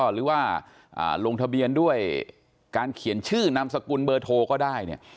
หรือว่าลงทะเบียนด้วยการเขียนชื่อนามสกุลเบอร์โทรก็ได้เนี่ย